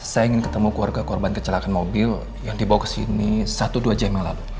saya ingin ketemu keluarga korban kecelakaan mobil yang dibawa ke sini satu dua jam yang lalu